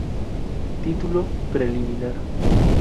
Título Preliminar